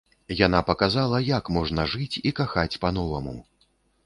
Яна паказала, як можна жыць і кахаць па-новаму.